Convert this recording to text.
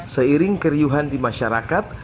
seiring keriuhan di masyarakat